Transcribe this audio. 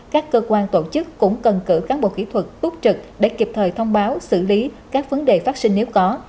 các cơ quan tổ chức cũng cần cử cán bộ kỹ thuật túc trực để kịp thời thông báo xử lý các vấn đề phát sinh nếu có